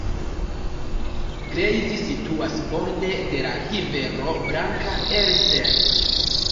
Greiz situas borde de la rivero Blanka Elster.